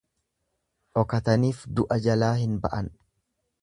Dhokataniif du'a jalaa hin ba'an.